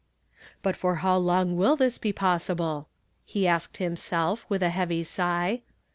"But for liow long will this be possible? " he ask(Ml liimself, with a heavy sigli.